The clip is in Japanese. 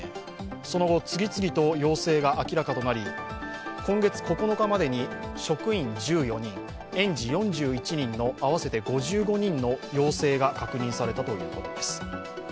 その後、次々と陽性が明らかとなり今月９日までに職員１４人園児４１人の合わせて５５人の陽性が確認されたということです。